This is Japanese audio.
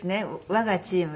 我がチーム。